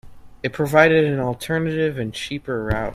It provided an alternative and cheaper route.